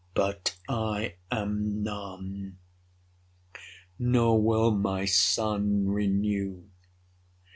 But I am None; nor will my Sunne renew.